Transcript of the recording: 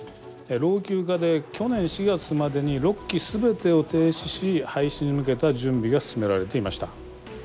老朽化で去年４月までに６基全てを停止し廃止に向けた準備が進められていました。